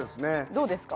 どうですか？